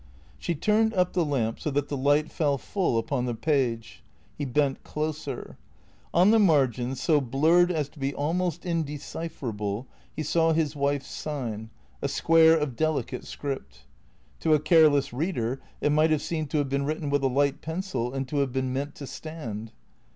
She turned up the lamp so that the light fell full upon the page. He bent closer. On the margin, so blurred as to be al most indecipherable, he saw his wife's sign, a square of delicate script. To a careless reader it might have seemed to have been written with a light pencil and to have been meant to stand.